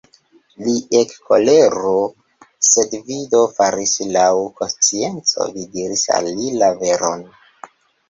Li ekkoleru, sed vi do faris laŭ konscienco, vi diris al li la veron!